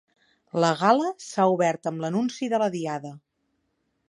La gala s’ha obert amb l’anunci de la Diada.